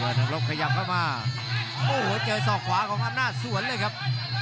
ทางรบขยับเข้ามาโอ้โหเจอศอกขวาของอำนาจสวนเลยครับ